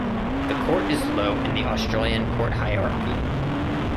The court is low in the Australian court hierarchy.